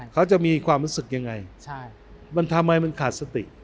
เขาจะมีความรู้สึกยังไงใช่มันทำไมมันขาดสติ